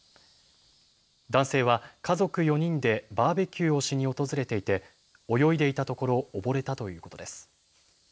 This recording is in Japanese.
男性は家族４人でバーベキューをしに訪れていて泳いでいたところ溺れたということです。